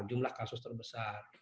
jumlah kasus terbesar